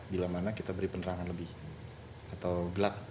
bila mana kita beri penerangan lebih atau gelap